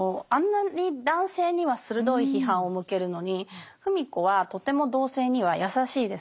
あんなに男性には鋭い批判を向けるのに芙美子はとても同性には優しいです。